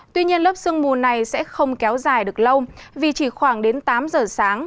tuy nhiên lớp sương mù này sẽ không kéo dài được lâu vì chỉ khoảng đến tám giờ sáng